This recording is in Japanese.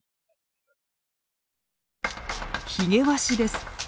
ヒゲワシです。